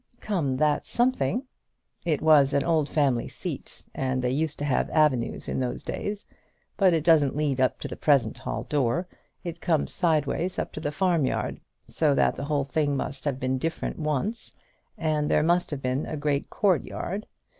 "Come, that's something." "It was an old family seat, and they used to have avenues in those days; but it doesn't lead up to the present hall door. It comes sideways up to the farm yard; so that the whole thing must have been different once, and there must have been a great court yard.